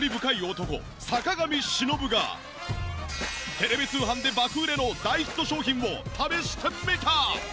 テレビ通販で爆売れの大ヒット商品を試してみた！